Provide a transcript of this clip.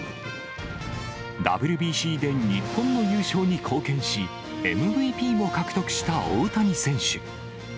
ＷＢＣで日本の優勝に貢献し、ＭＶＰも獲得した大谷選手。